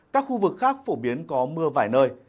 các khu vực khác phổ biến có mưa vài nơi